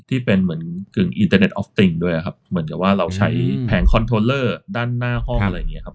ที่เป็นเหมือนกึ่งอินเตอร์เน็ออฟติงด้วยครับเหมือนกับว่าเราใช้แผงคอนโทรเลอร์ด้านหน้าห้องอะไรอย่างเงี้ครับ